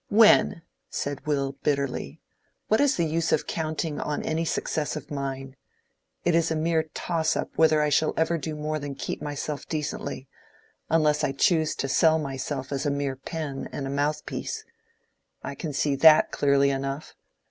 "When?" said Will, bitterly. "What is the use of counting on any success of mine? It is a mere toss up whether I shall ever do more than keep myself decently, unless I choose to sell myself as a mere pen and a mouthpiece. I can see that clearly enough.